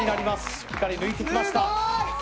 しっかり抜いてきました。